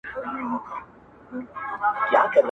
• مور بې حاله کيږي او پر ځمکه پرېوځي ناڅاپه,